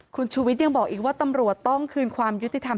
คุณชูวิทย์ยังบอกอีกว่าตำรวจต้องคืนความยุติธรรม